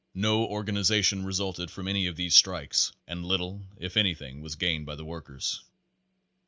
No or ganization resulted from any of these strikes and little if anything was gained by the workers.